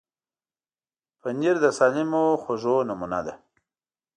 پنېر د سالمو خوړو نمونه ده.